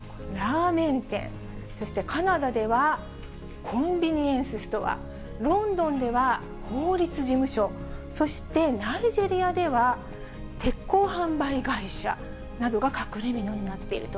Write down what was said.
また、例えば、アメリカのニューヨークではラーメン店、そして、カナダではコンビニエンスストア、ロンドンでは法律事務所、そして、ナイジェリアでは鉄鋼販売会社などが隠れみのになっていると。